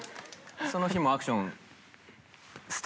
その日もアクション。